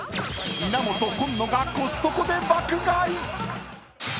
［稲本今野がコストコで爆買い！］